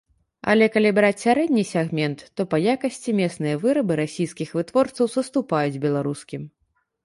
Але калі браць сярэдні сегмент, то па якасці мясныя вырабы расійскіх вытворцаў саступаюць беларускім.